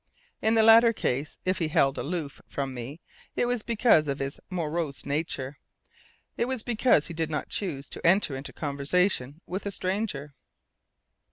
In the latter case, if he held aloof from me, it was because of his morose nature; it was because he did not choose to enter into conversation with a stranger.